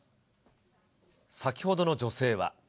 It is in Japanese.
先ほどの女性は。